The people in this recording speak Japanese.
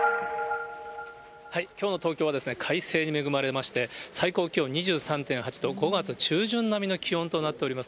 きょうの東京は快晴に恵まれまして、最高気温２３．８度、５月中旬並みの気温となっております。